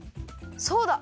そうだ。